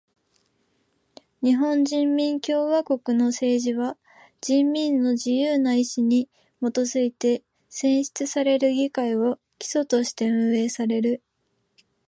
日本人民共和国の政治は人民の自由な意志にもとづいて選出される議会を基礎として運営される。